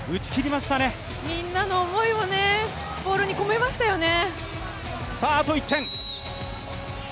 みんなの思いをボールに込めましたよね。